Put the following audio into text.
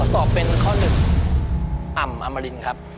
ตอบเป็นข้อหนึ่งอ่ำอมรินครับ